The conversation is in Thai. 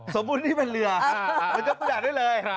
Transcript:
สมมุตินี่เป็นเรือมันจะเปลี่ยนได้เลย